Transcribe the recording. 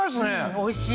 おいしい！